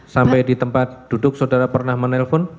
sampai di tempat duduk saudara pernah menelpon